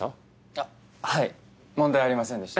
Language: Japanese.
あっはい問題ありませんでした。